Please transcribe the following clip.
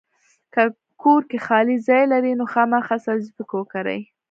کۀ کور کې خالي ځای لرئ نو خامخا سبزي پکې وکرئ!